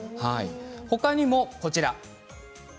他にも、こちら。